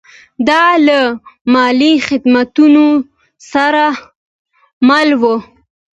دا له مالي خدماتو سره مل و